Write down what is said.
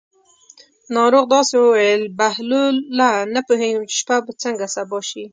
ناروغ داسې وویل: بهلوله نه پوهېږم چې شپه به څنګه سبا شي.